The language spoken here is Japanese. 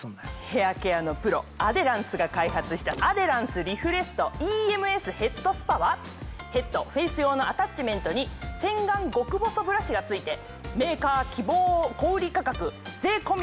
ヘアケアのプロアデランスが開発したアデランスリフレストＥＭＳヘッドスパはヘッドフェイス用のアタッチメントに洗顔極細ブラシが付いて。